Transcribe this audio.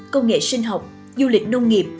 công nghệ sinh học du lịch nông nghiệp